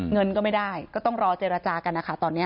เงินก็ไม่ได้ก็ต้องรอเจรจากันนะคะตอนนี้